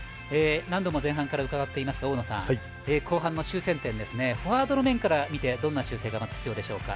何度も前半から伺っていますが大野さん、後半の修正点フォワードの面から見てどんな修正が必要ですか。